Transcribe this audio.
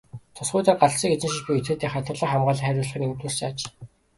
Тус хуулиар галт зэвсэг эзэмшиж буй этгээдийн хадгалах, хамгаалах хариуцлагыг нэмэгдүүлсэн аж.